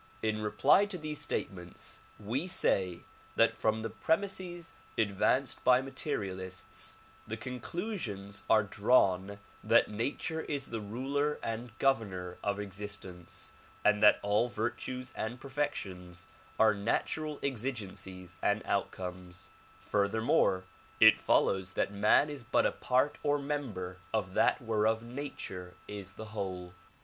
In reply to these statements, we say that from the premises advanced by materialists, the conclusions are drawn that nature is the ruler and governor of existence and that all virtues and per fections are natural exigencies and outcomes ; furthermore it follows that man is but a part or member of that whereof nature is the whole.